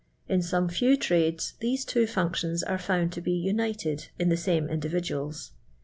In .s^me few trades tiiese two functions are found to lie united in the same individuals.